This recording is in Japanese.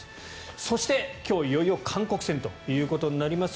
そして、今日いよいよ韓国戦ということになります。